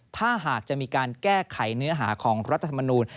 ถ้าหากจะมีการแก้ไขเนื้อหาของรัฐธรรมนูล